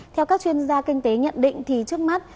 theo các chuyên gia kinh tế nhận định thì trước mắt